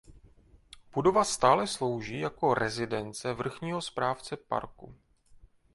Budova stále slouží jako rezidence vrchního správce parku.